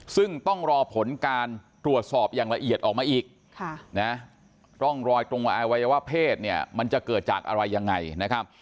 ซึ่งต้องรอผลการตรวจสอบอย่างละเอียดออกมาอีกร่องรอยตรงอวัยวะเพศเนี่ยมันจะเกิดจากอะไรยังไงนะครับ